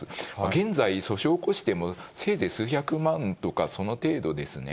現在、訴訟を起こしても、せいぜい数百万とか、その程度ですね。